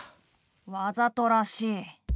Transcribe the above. わざとらしい。